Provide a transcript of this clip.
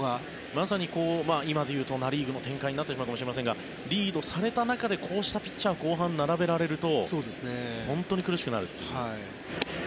まさに今でいうとナ・リーグの展開になってしまうかもしれませんがリードした中でこういうピッチャーを後半に並べられると本当に苦しくなると。